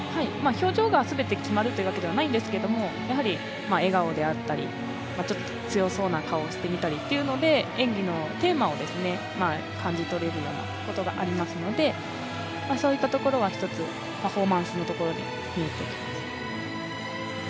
表情で全て決まるというわけではないんですけどやはり、笑顔であったりちょっと強そうな顔をしてみたりっていうので演技のテーマを感じ取れるようなことがありますのでそういったところは一つ、パフォーマンスのところで見ていきます。